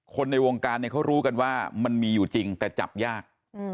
ในวงการเนี่ยเขารู้กันว่ามันมีอยู่จริงแต่จับยาก